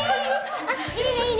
あっいいねいいね。